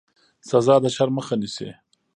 سزا د شر مخه نیسي